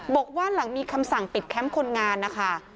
บอกว่าหลังมีคำสั่งปิดแคมป์คนงานนะคะ